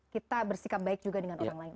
kita bersikap baik juga dengan orang lain